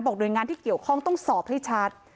หน่วยงานที่เกี่ยวข้องต้องสอบให้ชัด